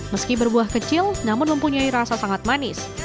meski berbuah kecil namun mempunyai rasa sangat manis